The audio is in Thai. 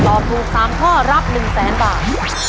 ตอบถูก๓ข้อรับ๑๐๐๐๐๐บาท